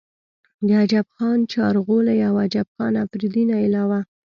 د عجب خان چارغولۍ او عجب خان افريدي نه علاوه